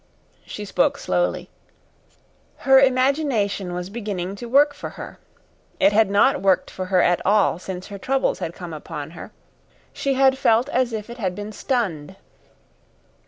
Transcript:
She spoke slowly. Her imagination was beginning to work for her. It had not worked for her at all since her troubles had come upon her. She had felt as if it had been stunned.